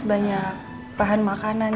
banyak bahan makanan